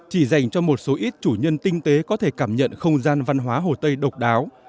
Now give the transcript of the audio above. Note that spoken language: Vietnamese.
chỉ dành cho một số ít chủ nhân tinh tế có thể cảm nhận không gian văn hóa hồ tây độc đáo